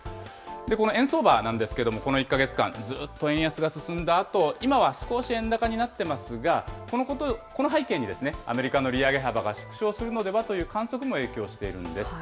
この円相場なんですけれども、この１か月間、ずっと円安が進んだあと、今は少し円高になってますが、この背景にアメリカの利上げ幅が縮小するのではという観測も影響しているんです。